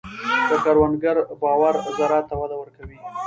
د کروندګر باور زراعت ته وده ورکوي.